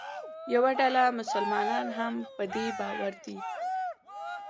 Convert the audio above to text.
یوه ډله مسلمانان هم په دې باور دي.